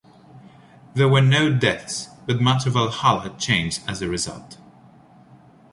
There were no deaths, but much of Valhalla changed as a result.